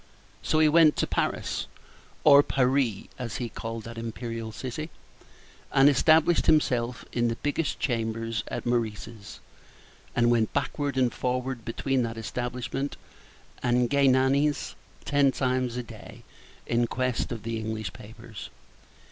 So he went to Paris, or Parry, as he called that imperial city, and established himself in the biggest chambers at Meurice's, and went backward and forward between that establishment and Galignani's ten times a day in quest of the English papers.